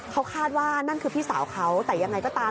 เขาคาดว่านั่นคือพี่สาวเขาแต่ยังไงก็ตาม